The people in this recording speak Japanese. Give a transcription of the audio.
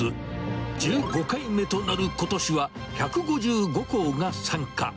１５回目となることしは、１５５校が参加。